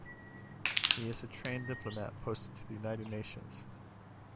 He is a trained diplomat posted to the United Nations.